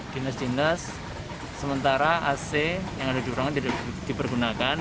dinas dinas sementara ac yang ada di ruangan tidak dipergunakan